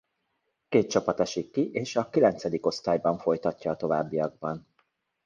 Két csapat esik ki és a kilencedik osztályban folytatja a továbbiakban.